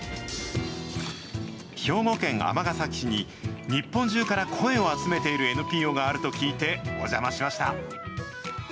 兵庫県尼崎市に日本中から声を集めているＮＰＯがあると聞いてお邪魔しました。